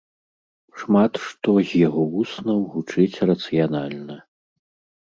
Шмат што з яго вуснаў гучыць рацыянальна.